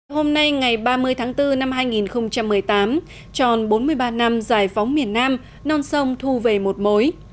hôm nay ngày ba mươi tháng bốn năm hai nghìn một mươi tám tròn bốn mươi ba năm giải phóng miền nam non sông thu về một mối